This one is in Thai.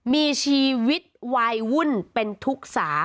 มีชีวิตวัยวุ่นเป็นทุกสา